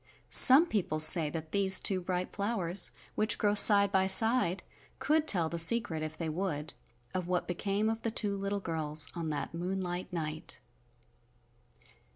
Some people say that these two bright flowers, which grow side by side, could tell the secret if they would, of what became of the two little girls on that moonlight night.